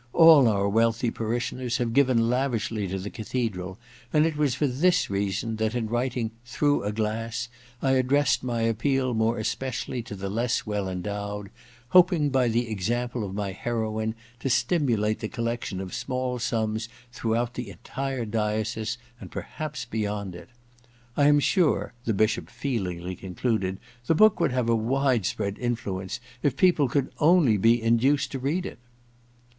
All our wealthy parishioners have given lavishly to the cathedral, and it was for this reason that, in writing "Through a Glass," I addressed my appeal more especially to the less well endowed, hoping by the example of my heroine to stimulate the collection of small sums throughout the entire diocese, and perhaps beyond it. I am sure,' the Bishop feelingly concluded, *the book would have a wide spr^d influence if people could only be induced to read it